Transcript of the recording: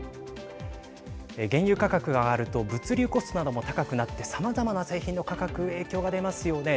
原油価格が上がると物流コストなども高くなってさまざまな製品の価格に影響が出ますよね。